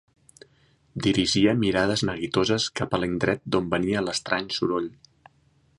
Dirigia mirades neguitoses cap a l'indret d'on venia l'estrany soroll.